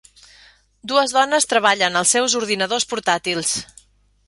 Dues dones treballen als seus ordinadors portàtils.